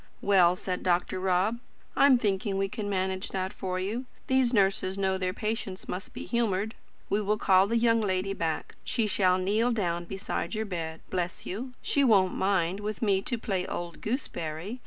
"Well," said Dr. Rob, "I'm thinking we can manage that for you. These nurses know their patients must be humoured. We will call the young lady back, and she shall kneel down beside your bed Bless you! She won't mind, with me to play old Gooseberry!